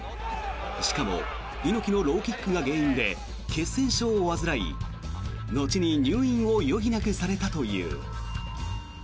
しかも猪木のローキックが原因で血栓症を患い後に入院を余儀なくされたという。